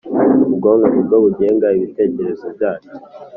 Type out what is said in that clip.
Ubwonko ni bwo bugenga ibitekerezo byacu.